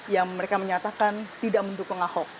yang mereka menyatakan tidak mendukung ahok